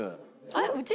あっうち？